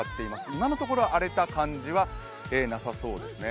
今のところ荒れた感じはなさそうですね